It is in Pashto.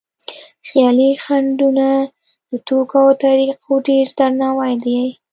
خیالي خنډونه د توکو او طریقو ډېر درناوی دی.